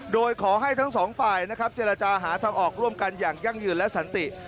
โดยขอให้ทั้งสองฝ่ายนะครับเจรจาหาทางออกร่วมกันอย่างยั่งยืนและสันติ